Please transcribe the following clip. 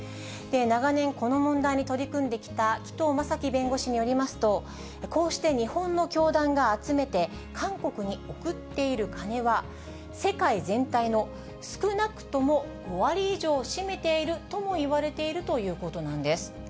長年、この問題に取り組んできた紀藤正樹弁護士によりますと、こうして日本の教団が集めて、韓国に送っている金は、世界全体の少なくとも５割以上を占めているともいわれているということなんです。